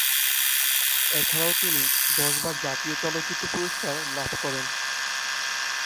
এছাড়াও তিনি দশ বার জাতীয় চলচ্চিত্র পুরষ্কার লাভ করেন।